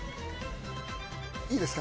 いいですか？